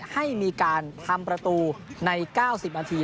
ให้มีการทำประตูใน๙๐นาที